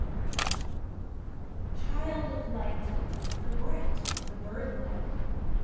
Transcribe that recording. Euterpe Child of Light, the bright, the bird like!